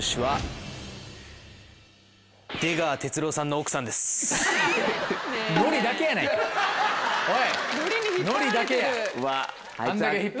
はい。